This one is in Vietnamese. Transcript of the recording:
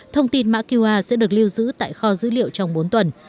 thông tin mã qr sẽ được lưu giữ tại kho dữ liệu trong bốn tuần